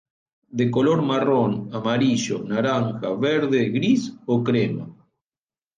De color marrón, amarillo, naranja, verde, gris o crema.